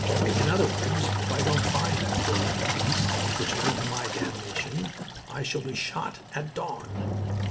In other words, if I don't find that four legged beast which led to my damnation I shall be shot at dawn.